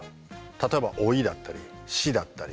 例えば老いだったり死だったり。